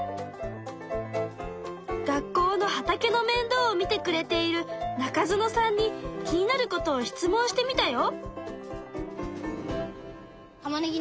学校の畑の面倒を見てくれている中園さんに気になることを質問してみたよ。